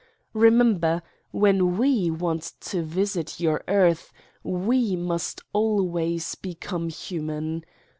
Eemember: when we, want to visit your earth we must always become human.